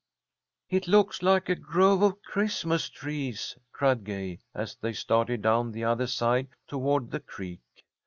"It looks like a grove of Christmas trees!" cried Gay, as they started down the other side toward the creek.